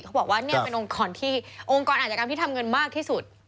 เขาบอกว่าเนี่ยเป็นองค์กรที่องค์กรอาจกรรมที่ทำเงินมากที่สุด